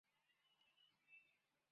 奥库鼠属等之数种哺乳动物。